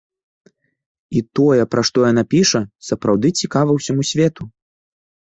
І тое, пра што яна піша, сапраўды цікава ўсяму свету.